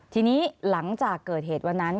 ทีนี้หลังจากเกิดเหตุวันนั้น